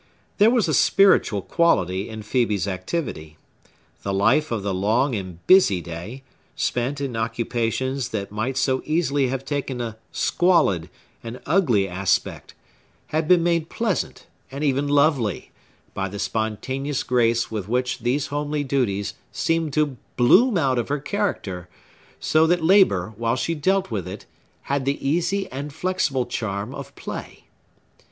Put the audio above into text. There was a spiritual quality in Phœbe's activity. The life of the long and busy day—spent in occupations that might so easily have taken a squalid and ugly aspect—had been made pleasant, and even lovely, by the spontaneous grace with which these homely duties seemed to bloom out of her character; so that labor, while she dealt with it, had the easy and flexible charm of play.